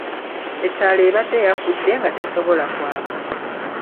Ettaala ebadde yafudde, nga tesobola kwaka.